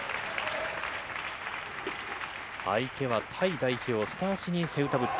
相手はタイ代表、スタシニ・セウタブット。